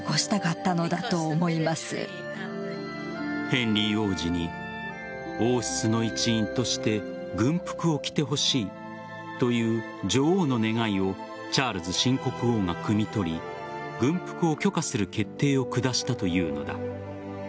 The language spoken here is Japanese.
ヘンリー王子に王室の一員として軍服を着てほしいという女王の願いをチャールズ新国王がくみ取り軍服を許可する決定を下したというのだ。